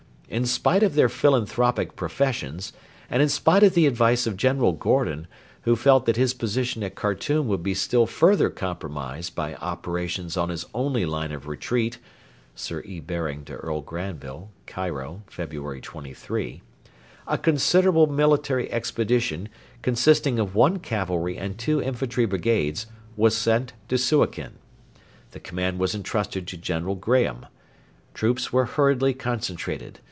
In spite of their philanthropic professions, and in spite of the advice of General Gordon, who felt that his position at Khartoum would be still further compromised by operations on his only line of retreat [Sir E. Baring to Earl Granville, Cairo, February 23.], a considerable military expedition consisting of one cavalry and two infantry brigades, was sent to Suakin. The command was entrusted to General Graham. Troops were hurriedly concentrated.